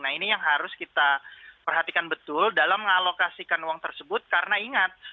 nah ini yang harus kita perhatikan betul dalam mengalokasikan uang tersebut karena ingat